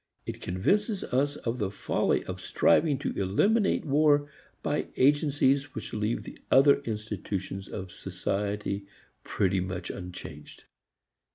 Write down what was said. It convinces us of the folly of striving to eliminate war by agencies which leave other institutions of society pretty much unchanged.